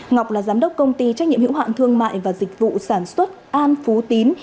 ngọc là giám đốc công ty trách nhiệm hiệu hạn thương mại và dịch vụ sản xuất an phú tín